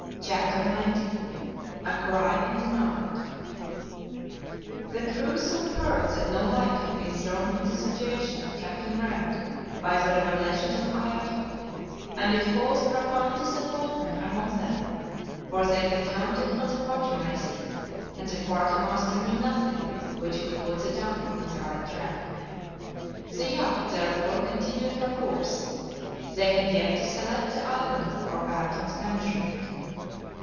CHAPTER XIX A CRY IN THE NIGHT THE crew soon heard that no light had been thrown on the situation of Captain Grant by the revelations of Ayrton, and it caused profound disappointment among them, for they had counted on the quartermaster, and the quartermaster knew nothing which could put the DUNCAN on the right track. The yacht therefore continued her course. They had yet to select the island for Ayrton's banishment.